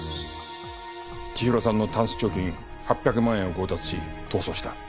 千尋さんのタンス貯金８００万円を強奪し逃走した。